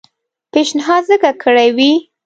پېشنهاد ځکه کړی وي.